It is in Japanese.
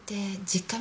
実家？